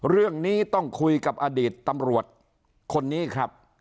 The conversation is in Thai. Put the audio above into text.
เรื่องนี้ต้องคุยกับอดีตตำรวจคนนี้ครับ